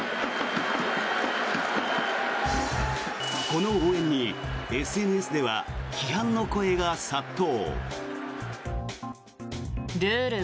この応援に、ＳＮＳでは批判の声が殺到。